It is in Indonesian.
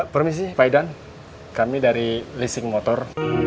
permisi fai dan kami dari leasing motor